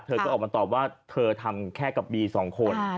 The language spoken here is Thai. เธอก็ออกมาตอบว่าเธอทำแค่กับบีสองคน